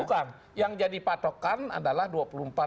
bukan yang jadi patokan adalah dua puluh empat